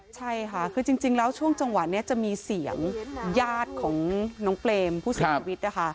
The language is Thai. ใช่ค่ะคือจริงแล้วช่วงจังหวะนี้จะมีเสียงญาติของน้องเปรมผู้เสียชีวิตนะคะ